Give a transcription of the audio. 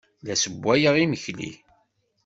La ssewwayeɣ imekli.